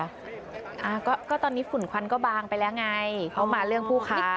อ่าก็ตอนนี้ฝุ่นควันก็บางไปแล้วไงเขามาเรื่องผู้ค้า